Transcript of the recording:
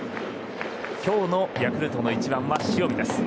今日のヤクルトの１番は塩見。